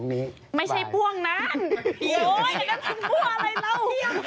ไม่ใช่พ่วงนั้น